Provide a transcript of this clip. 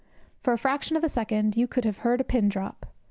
For a fraction of a second you could have heard a pin drop.